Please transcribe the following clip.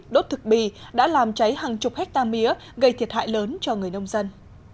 đốt thực bì đã làm cháy hàng chục hectare mía gây thiệt hại lớn cho người nông dân